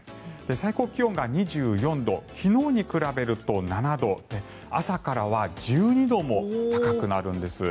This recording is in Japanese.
最高気温が２４度昨日に比べると７度朝からは１２度も高くなるんです。